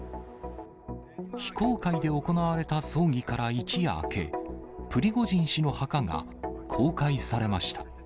非公開で行われた葬儀から一夜明け、プリゴジン氏の墓が公開されました。